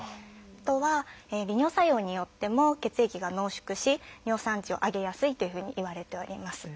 あとは利尿作用によっても血液が濃縮し尿酸値を上げやすいというふうにいわれております。